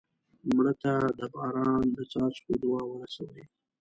مړه ته د باران د څاڅکو دعا ورسوې